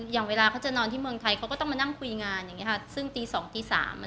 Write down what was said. อย่างเวลาเขาจะนอนที่เมืองไทยเขาก็ต้องมานั่งคุยงานอย่างนี้ค่ะซึ่งตี๒ตี๓